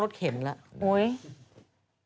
ปล่อยให้เบลล่าว่าง